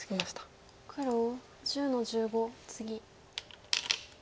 黒１０の十五ツギ。